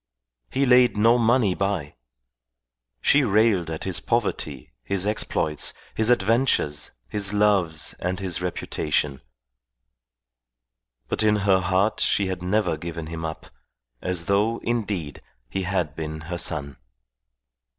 He laid no money by. She railed at his poverty, his exploits, his adventures, his loves and his reputation; but in her heart she had never given him up, as though, indeed, he had been her son.